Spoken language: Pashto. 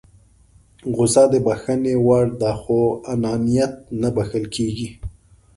غوسه د بښنې وړ ده خو انانيت نه بښل کېږي.